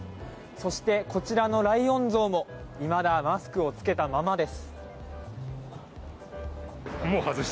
そして、こちらのライオン像もいまだマスクを着けたままです。